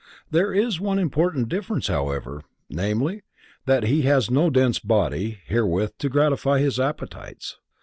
There is one important difference, however, namely, that he has no dense body wherewith to gratify his appetites.